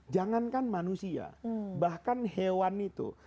jangankan manusia bahkan hewan itu